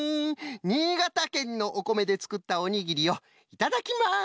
新潟県のおこめでつくったおにぎりをいただきます！